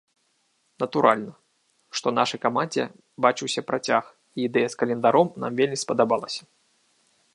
Натуральна, што нашай камандзе бачыўся працяг, і ідэя з календаром нам вельмі спадабалася.